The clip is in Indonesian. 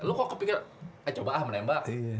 lu kok kepikiran eh coba ah menembak